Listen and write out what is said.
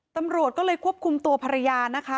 ตำรวจก็เลยควบคุมตัวภรรยานะคะ